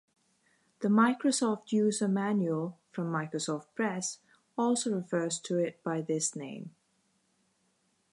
The "Microsoft User Manual" from Microsoft Press also refers to it by this name.